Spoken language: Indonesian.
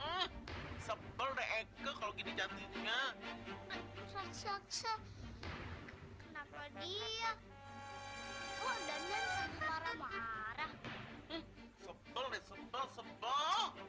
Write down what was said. aku bisa mengajarkan kamu untuk melihat sikapmu seperti perempuan